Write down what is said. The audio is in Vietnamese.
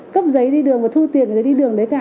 cấp giấy đi đường và thu tiền giấy đi đường đấy cả